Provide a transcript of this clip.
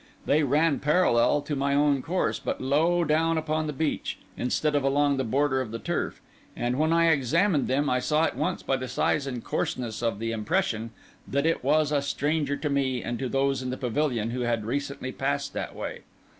They ran parallel to my own course, but low down upon the beach instead of along the border of the turf; and, when I examined them, I saw at once, by the size and coarseness of the impression, that it was a stranger to me and to those in the pavilion who had recently passed that way.